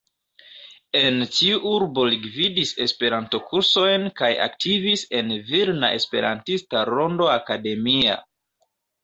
En tiu urbo li gvidis Esperanto-kursojn kaj aktivis en Vilna Esperantista Rondo Akademia.